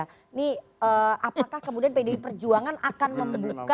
ini apakah kemudian pdi perjuangan akan membuka